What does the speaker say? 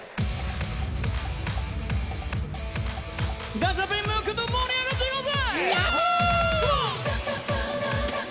ガチャピン・ムックと盛り上がっていくぜ！